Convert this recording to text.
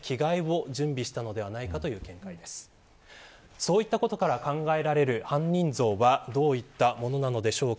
そういったことから考えられる犯人像はどういったものなのでしょうか。